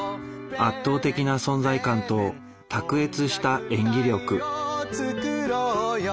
圧倒的な存在感と卓越した演技力。